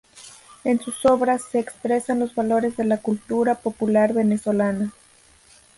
En sus obras se expresan los valores de la cultura popular venezolana.